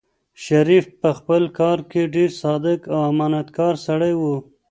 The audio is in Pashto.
شریف په خپل کار کې ډېر صادق او امانتکار سړی و.